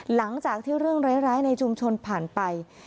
หลังจากที่เรื่องร้ายในชุมชนผ่านไป